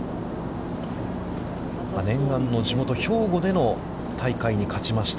念願の地元兵庫での大会に勝ちました。